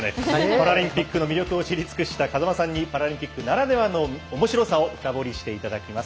パラリンピックの魅力を知り尽くた風間さんにパラリンピックならではの面白さを深掘りしてもらいます。